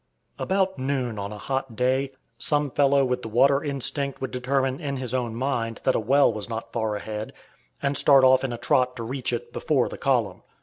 About noon on a hot day, some fellow with the water instinct would determine in his own mind that a well was not far ahead, and start off in a trot to reach it before the column.